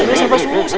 eh siapa suruh ustadz